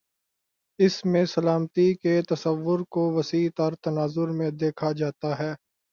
اس میں سلامتی کے تصور کو وسیع تر تناظر میں دیکھا جاتا ہے۔